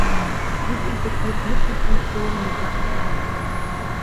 Dies impliziert Nutzenfunktionen mit Maximalwert.